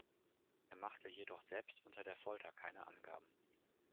Er machte jedoch selbst unter der Folter keine Angaben.